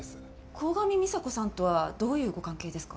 鴻上美沙子さんとはどういうご関係ですか？